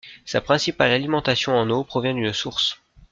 Sa principale alimentation en eau provient d'une source.